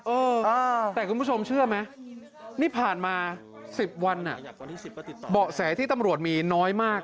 เออแต่คุณผู้ชมเชื่อไหมนี่ผ่านมา๑๐วันเบาะแสที่ตำรวจมีน้อยมาก